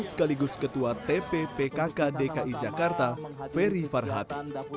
sekaligus ketua tppkk dki jakarta ferry farhad